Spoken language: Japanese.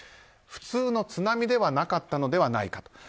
普通の津波ではなかったのではないかと。